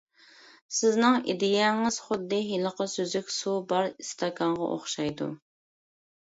سىزنىڭ ئىدىيەڭىز خۇددى ھېلىقى سۈزۈك سۇ بار ئىستاكانغا ئوخشايدۇ.